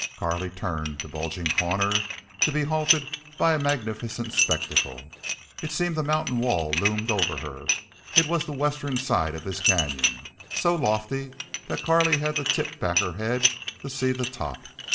Carley turned the bulging corner, to be halted by a magnificent spectacle. It seemed a mountain wall loomed over her. It was the western side of this canyon, so lofty that Carley had to tip back her head to see the top.